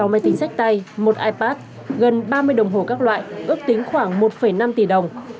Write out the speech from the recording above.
sáu máy tính sách tay một ipad gần ba mươi đồng hồ các loại ước tính khoảng một năm tỷ đồng